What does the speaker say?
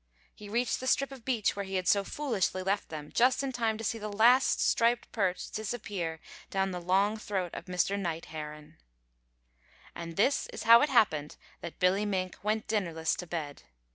He reached the strip of beach where he had so foolishly left them just in time to see the last striped perch disappear down the long throat of Mr. Night Heron. And this is how it happened that Billy Mink went dinnerless to bed.